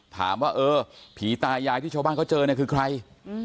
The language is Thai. ถามว่าเออผีตายายที่ชาวบ้านเขาเจอเนี่ยคือใคร